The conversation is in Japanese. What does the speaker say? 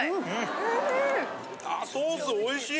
おいしい！